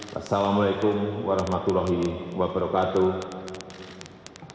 wassalamu'alaikum warahmatullahi wabarakatuh